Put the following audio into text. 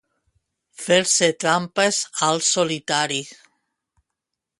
Fer-se trampes al solitari.